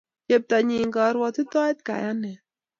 Cheptonyi karuotitoet kayanet